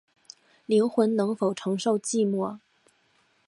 灵魂能否承受寂寞